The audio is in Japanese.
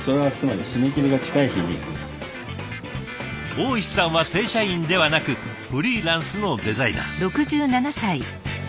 大石さんは正社員ではなくフリーランスのデザイナー。